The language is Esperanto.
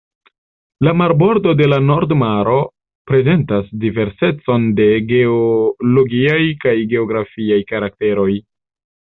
La marbordo de la Nord Maro prezentas diversecon de geologiaj kaj geografiaj karakteroj.